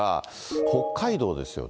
北海道ですよね。